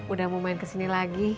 udah mau main kesini lagi